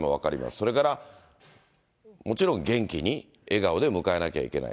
それから、もちろん元気に笑顔で迎えなきゃいけない。